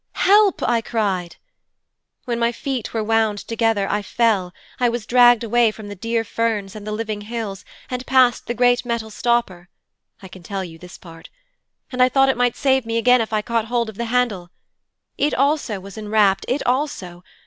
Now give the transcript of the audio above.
'Help!' I cried. When my feet were wound together, I fell, I was dragged away from the dear ferns and the living hills, and past the great metal stopper (I can tell you this part), and I thought it might save me again if I caught hold of the handle. It also was enwrapped, it also.